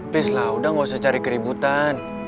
pis lah udah gak usah cari keributan